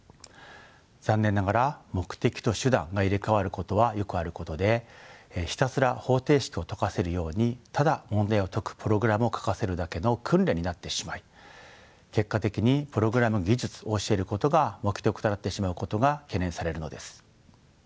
残念ながら目的と手段が入れ代わることはよくあることでひたすら方程式を解かせるようにただ問題を解くプログラムを書かせるだけの訓練になってしまい結果的にプログラム技術を教えることが目的となってしまうことが懸念されるのです。